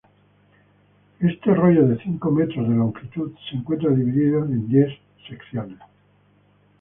Este rollo de cinco metros de longitud se encuentra dividido en diez secciones.